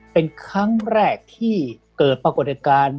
เป็นครั้งแรกที่เกิดปรากฏการณ์